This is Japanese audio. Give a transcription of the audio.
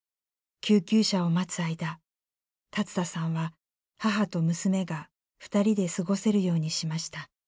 救急車を待つ間龍田さんは母と娘が２人で過ごせるようにしました。